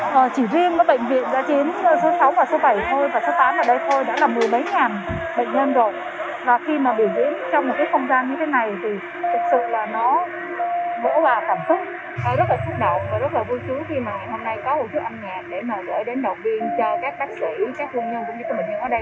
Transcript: để mà gửi đến động viên cho các bác sĩ các khuôn nhân cũng như các bệnh nhân ở đây